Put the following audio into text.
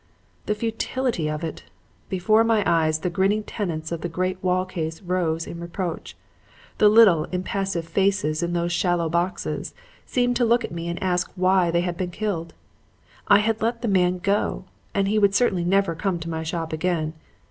"The futility of it! Before my eyes the grinning tenants of the great wall case rose in reproach; the little, impassive faces in those shallow boxes seemed to look at me and ask why they had been killed. I had let the man go; and he would certainly never come to my shop again.